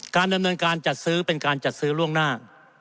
ดำเนินการจัดซื้อเป็นการจัดซื้อล่วงหน้า